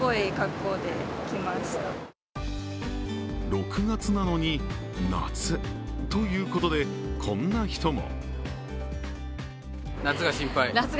６月なのに夏ということでこんな人も。